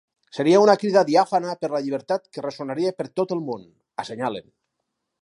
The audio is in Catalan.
“Seria una crida diàfana per la llibertat que ressonaria per tot el món”, assenyalen.